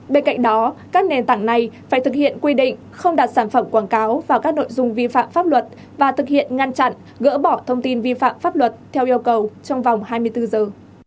bên cạnh đó các nền tảng này phải thực hiện quy định không đặt sản phẩm quảng cáo vào các nội dung vi phạm pháp luật và thực hiện ngăn chặn gỡ bỏ thông tin vi phạm pháp luật theo yêu cầu trong vòng hai mươi bốn giờ